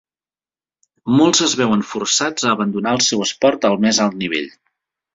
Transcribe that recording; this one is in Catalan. Molts es veuen forçats a abandonar el seu esport al més alt nivell.